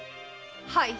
はい。